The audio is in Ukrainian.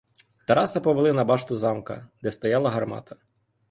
Тараса повели на башту замка, де стояла гармата.